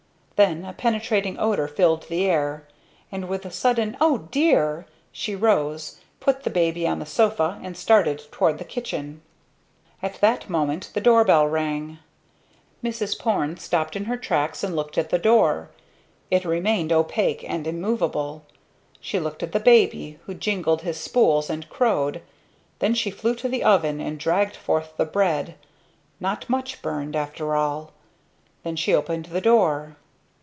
Then a penetrating odor filled the air, and with a sudden "O dear!" she rose, put the baby on the sofa, and started toward the kitchen. At this moment the doorbell rang. Mrs. Porne stopped in her tracks and looked at the door. It remained opaque and immovable. She looked at the baby who jiggled his spools and crowed. Then she flew to the oven and dragged forth the bread, not much burned after all. Then she opened the door.